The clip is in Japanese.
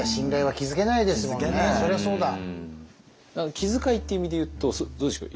気遣いって意味でいうとどうでしょうか？